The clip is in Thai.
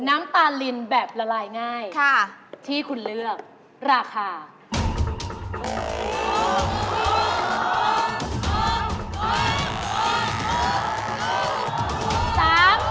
น้ำตาลินแบบละลายง่ายที่คุณเลือกราคา